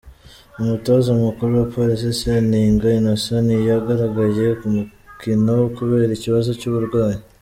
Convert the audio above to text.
Umutoza mukuru wa Police Seninga Innocent nyiyagaragaye ku mukino kubera ikibazo cy’uburwayi.